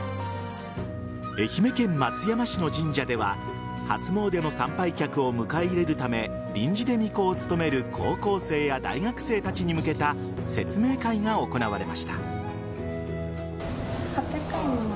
愛媛県松山市の神社では初詣の参拝客を迎え入れるため臨時でみこを務める高校生や大学生たちに向けた説明会が行われました。